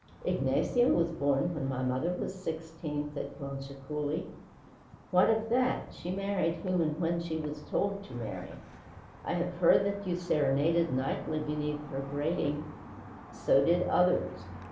"Ignacio was born when my mother was sixteen," said Concha coolly. "What of that? She married whom and when she was told to marry." "I have heard that you serenaded nightly beneath her grating " "So did others."